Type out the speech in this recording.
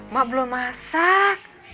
ma belum masak